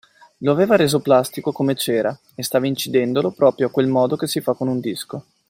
Lo aveva reso plastico come cera e stava incidendolo proprio a quel modo che si fa con un disco.